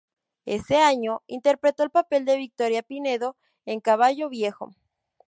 Ese año interpretó el papel de Victoria Pinedo en "Caballo viejo".